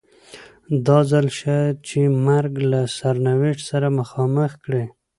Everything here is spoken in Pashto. دا ځل شاید چې مرګ له سرنوشت سره مخامخ کړي.